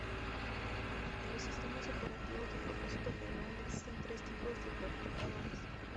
En los sistemas operativos de propósito general, existen tres tipos de planificadores.